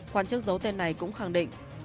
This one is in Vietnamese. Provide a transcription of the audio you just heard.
quan chức giấu tên này cũng khẳng định